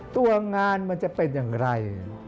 ตัวงานมันจะเป็นอย่างไร